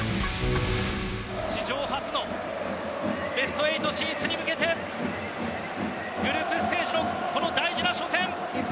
史上初のベスト８進出に向けてグループステージのこの大事な初戦。